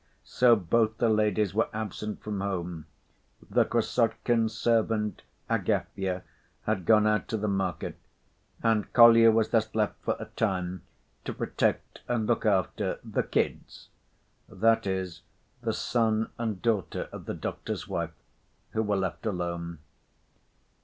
So both the ladies were absent from home, the Krassotkins' servant, Agafya, had gone out to the market, and Kolya was thus left for a time to protect and look after "the kids," that is, the son and daughter of the doctor's wife, who were left alone.